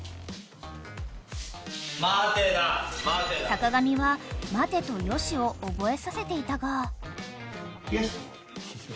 ［坂上は「待て！」と「よし」を覚えさせていたが］